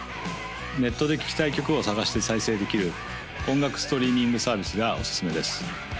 ネットで聴きたい曲を探して再生できる音楽ストリーミングサービスがおすすめです